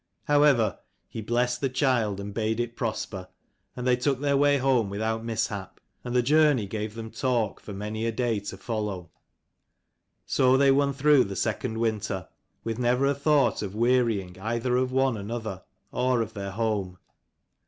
However he blessed the child, and bade it prosper, and they took their way home without mishap: and the journey gave them talk for many a day to follow. So they won through the second winter, with never a thought of wearying either of one another or of their home.